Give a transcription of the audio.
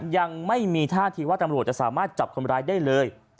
ยังไม่มีท่าทีว่าตำรวจจะสามารถจับคนร้ายได้เลย